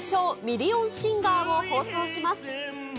ミリオンシンガーを放送します。